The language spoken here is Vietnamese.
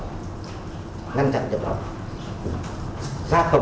ngăn chặn nhập khẩu ấm